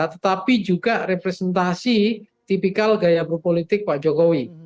tetapi juga representasi tipikal gaya berpolitik pak jokowi